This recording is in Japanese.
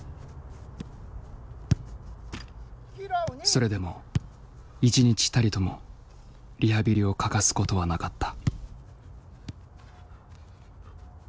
それでも一日たりともリハビリを欠かすことはなかった。